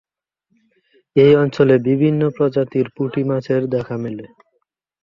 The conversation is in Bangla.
এই অঞ্চলে বিভিন্ন প্রজাতির পুঁটি মাছের দেখা মেলে।